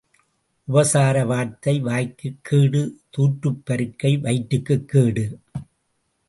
உபசார வார்த்தை வாய்க்குக் கேடு தூற்றுப் பருக்கை வயிற்றுக்குக் கேடு.